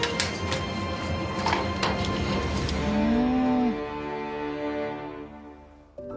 うん。